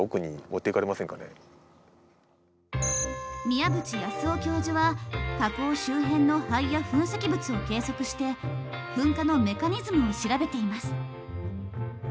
宮縁育夫教授は火口周辺の灰や噴石物を計測して噴火のメカニズムを調べています。